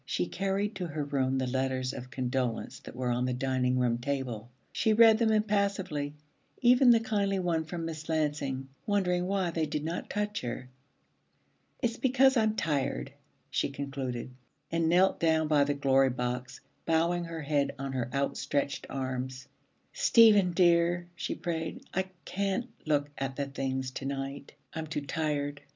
She carried to her room the letters of condolence that were on the dining room table. She read them impassively, even the kindly one from Miss Lansing, wondering why they did not touch her. 'It's because I'm tired,' she concluded, and knelt down by the Glory Box, bowing her head on her outstretched arms. 'Stephen, dear,' she prayed, 'I can't look at the things to night. I'm too tired.'